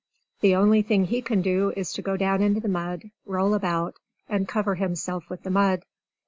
The only thing he can do is to go down into the mud, roll about, and cover himself with the mud.